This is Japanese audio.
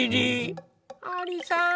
ありさん